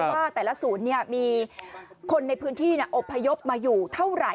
ว่าแต่ละศูนย์มีคนในพื้นที่อบพยพมาอยู่เท่าไหร่